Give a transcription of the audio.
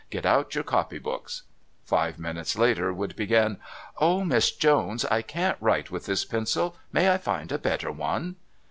Get out your copy books." Five minutes later would begin: "Oh, Miss Jones, I can't write with this pencil. May I find a better one?"